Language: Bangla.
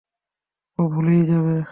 ও ভুলেই যাবে।